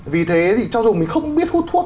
vì thế thì cho dù mình không biết hút thuốc